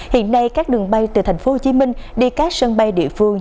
hiện nay các đường bay từ tp hcm đi các sân bay địa phương